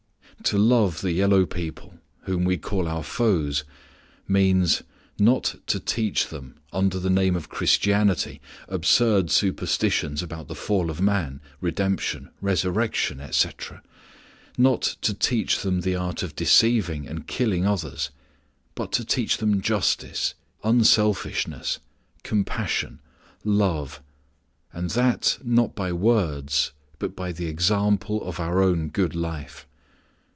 To love the yellow people, whom we call our foes, means, not to teach them under the name of Christianity absurd superstitions about the fall of man, redemption, resurrection, etc., not to teach them the art of deceiving and killing others, but to teach them justice, unselfishness, compassion, love and that not by words, but by the example of our own good life.